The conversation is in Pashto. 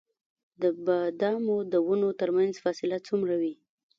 د بادامو د ونو ترمنځ فاصله څومره وي؟